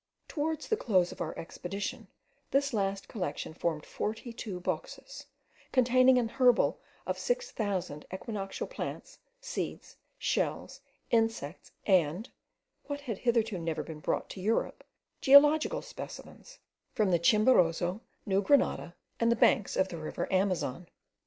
Towards the close of our expedition, this last collection formed forty two boxes, containing an herbal of six thousand equinoctial plants, seeds, shells, insects, and (what had hitherto never been brought to Europe) geological specimens, from the Chimborazo, New Grenada, and the banks of the river Amazon.